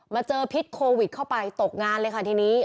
เจอพิษโควิดเข้าไปตกงานเลยค่ะทีนี้